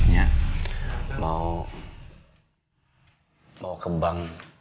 nya mau ke bank